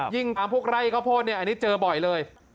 ยิ่งตามพวกไร่เขาพูดอันนี้เจอบ่อยเลย